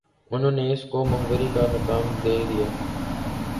انہوں نے اس کو مخبری کا کام دے دیا